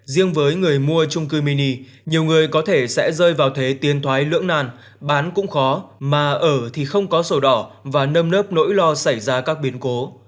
riêng với người mua trung cư mini nhiều người có thể sẽ rơi vào thế tiền thoái lưỡng nàn bán cũng khó mà ở thì không có sổ đỏ và nâm nớp nỗi lo xảy ra các biến cố